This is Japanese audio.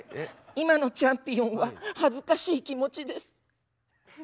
今のチャンピオンは恥ずかしい気持ちです。